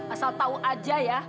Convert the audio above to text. asal tahu aja ya